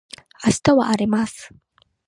明日は荒れます